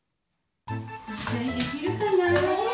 いっしょにできるかな？